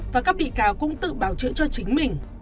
và các bị cáo cũng tự bảo chữa cho chính mình